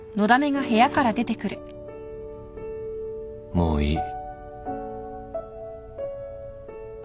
もういい